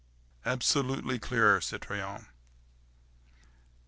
"Absolutely clear, citoyen."